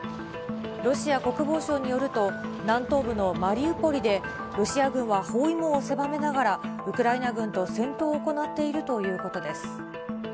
ロシア国防省によると、南東部のマリウポリでロシア軍は包囲網を狭めながら、ウクライナ軍と戦闘を行っているということです。